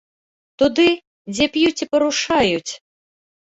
Туды, дзе п'юць і парушаюць.